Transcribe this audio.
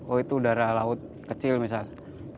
oh itu udara laut kecil misalnya